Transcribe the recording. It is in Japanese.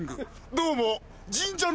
どうも！